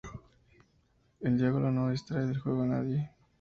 El diálogo no distrae del juego a nadie.